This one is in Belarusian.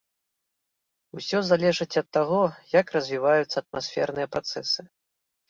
Усё залежыць ад таго, як развіваюцца атмасферныя працэсы.